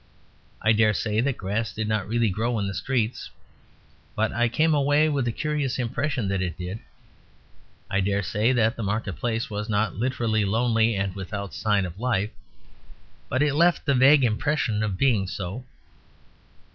I dare say that grass did not really grow in the streets, but I came away with a curious impression that it did. I dare say the marketplace was not literally lonely and without sign of life, but it left the vague impression of being so.